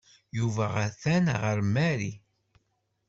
Yuba atan ɣer Mary.